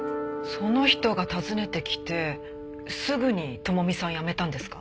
その人が訪ねてきてすぐに朋美さんは辞めたんですか？